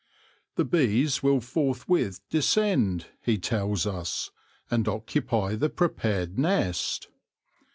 The bees will forthwith descend, he tells us, and occupy the prepared nest.